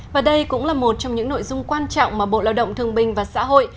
và đây cũng là một trong những nội dung quan trọng mà bộ lao động thương bình và xã hội